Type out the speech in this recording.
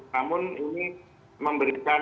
namun ini memberikan ini